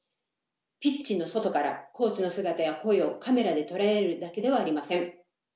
ピッチの外からコーチの姿や声をカメラで捉えるだけではありません。